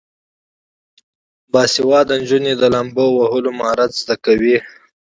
باسواده نجونې د لامبو وهلو مهارت زده کوي.